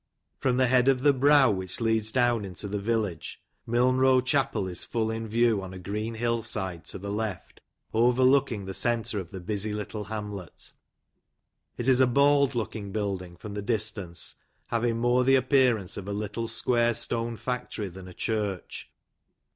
From the head of the brow which leads down into the village, Milnrow chapel is full in view on a green hill side to the left, overlooking the centre of the busy little hamlet. It is a bald looking building from the distance, having more the appearance of a little square stone factory than a church.